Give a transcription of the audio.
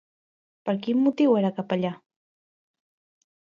Per quin motiu era capellà?